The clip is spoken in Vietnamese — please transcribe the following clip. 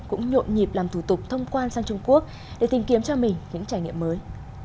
cũng nhộn nhịp làm thủ tục thông quan sang trung quốc để tìm kiếm cho mình những trải nghiệm mới